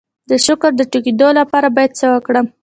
د شکر د ټیټیدو لپاره باید څه وکړم؟